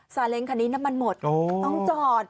เล้งคันนี้น้ำมันหมดต้องจอด